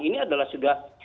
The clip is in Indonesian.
ini adalah sudah